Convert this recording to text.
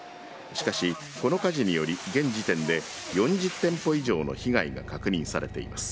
しかし、この火事により、現時点で４０店舗以上の被害が確認されています。